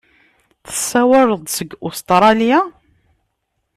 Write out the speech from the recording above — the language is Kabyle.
Tessawaleḍ-d seg Ustṛalya?